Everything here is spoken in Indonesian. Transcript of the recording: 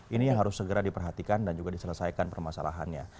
ini yang harus segera diperhatikan dan juga diselesaikan permasalahannya